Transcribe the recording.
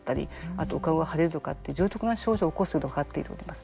あとお顔が腫れるとかっていう重篤な症状を起こすことが分かっております。